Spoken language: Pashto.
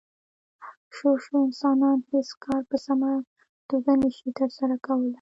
شو شو انسانان هېڅ کار په سمه توګه نشي ترسره کولی.